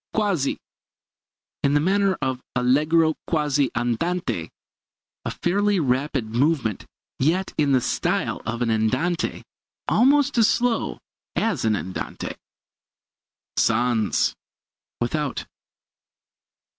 ] Quasi in the manner of. Allegro quasi andante a fairly rapid movement, yet in the style of an andante; almost as slow as an andante. Sans without.